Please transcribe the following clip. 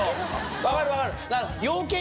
分かる分かる。